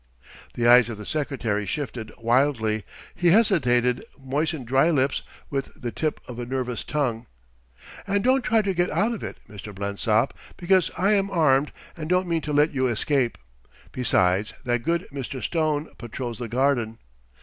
The eyes of the secretary shifted wildly. He hesitated, moistening dry lips with the tip of a nervous tongue. "And don't try to get out of it, Mr. Blensop, because I am armed and don't mean to let you escape. Besides, that good Mr. Stone patrols the garden."